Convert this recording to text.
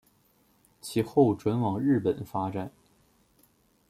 其后转往日本发展。